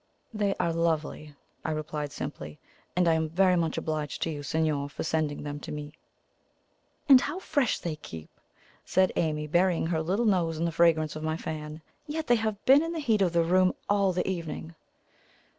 "They are lovely," I replied simply; "and I am very much obliged to you, signor, for sending them to me." "And how fresh they keep!" said Amy, burying her little nose in the fragrance of my fan; "yet they have been in the heat of the room all the evening."